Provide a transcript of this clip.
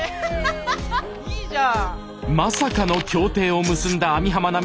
いいじゃん！